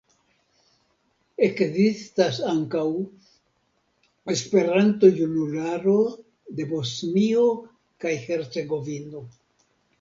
Ekzistas ankaŭ "Esperanto-Junularo de Bosnio kaj Hercegovino".